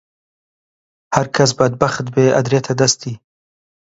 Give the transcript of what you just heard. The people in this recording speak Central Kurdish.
هەرکەس بەدبەخت بێ ئەدرێتە دەستی